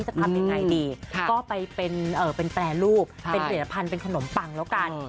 จะทำยังไงดีก็ไปเป็นแปรรูปเป็นผลิตภัณฑ์เป็นขนมปังแล้วกัน